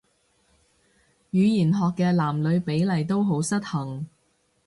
語言學嘅男女比例都好失衡